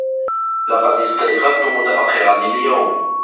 لقد إستيقظتُ متأخراً اليوم.